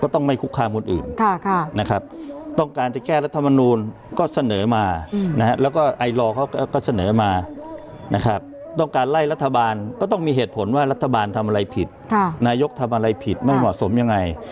ต้องการไล่รัฐบาลก็ต้องมีเหตุผลว่ารัฐบาลทำอะไรผิดนายกทำอะไรผิดไม่เหมาะสมยังไง